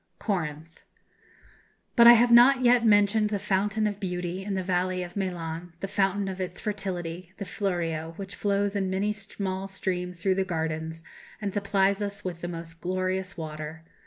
[Illustration: CORINTH.] "But I have not yet mentioned the Fountain of Beauty, in the valley of Melanès, the fountain of its fertility the Fleurio, which flows in many small streams through the gardens, and supplies us with the most glorious water....